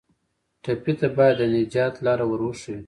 ټپي ته باید د نجات لاره ور وښیو.